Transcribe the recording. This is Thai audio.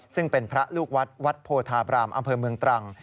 ซึ่งเป็นพระลูกวัดวัดโพธาบรามอำเภอเมืองตรัง